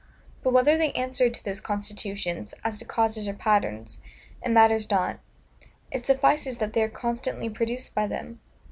But whether they answer to those constitutions, as to causes or patterns, it matters not; it suffices that they are constantly produced by them.